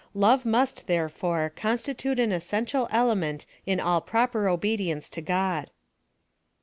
Love must, therefore, constitute an essen tial element in all proper obedience to God.